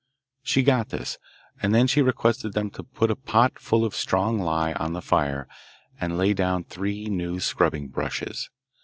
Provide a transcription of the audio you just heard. She got this, and then she requested them to put a pot full of strong lye on the fire and lay down three new scrubbing brushes.